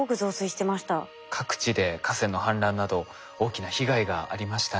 各地で河川の氾濫など大きな被害がありましたね。